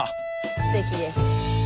すてきです。